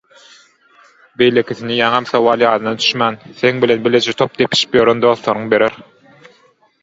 beýlekisini ýaňam sowal ýadyna düşmän, seň bilen bileje top depişip ýören dostlaryň berer.